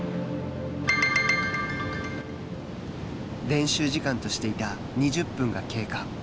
練習時間としていた２０分が経過。